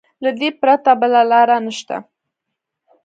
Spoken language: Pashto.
له دې پرته بله لاره نشته.